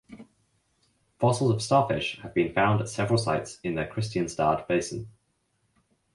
Fossils of starfish have been found at several sites in the Kristianstad Basin.